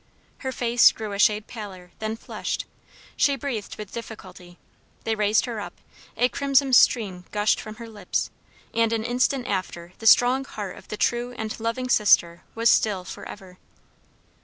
Her face grew a shade paler, then flushed; she breathed with difficulty, they raised her up, a crimson stream gushed from her lips, and an instant after the strong heart of the true and loving sister was still for ever.